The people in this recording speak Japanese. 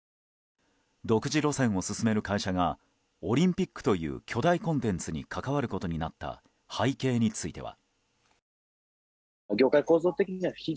独自路線を進める会社がオリンピックという巨大コンテンツに関わることになった背景については。